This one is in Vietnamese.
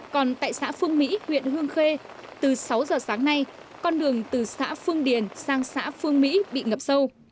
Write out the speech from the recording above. còn tại xã phương mỹ huyện hương khê từ sáu giờ sáng nay con đường từ xã phương điền sang xã phương mỹ bị ngập sâu